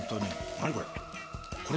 何これ？